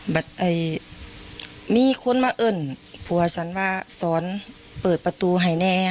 มีคนมาเอิ้นผัวฉันว่าสอนเปิดประตูให้แน่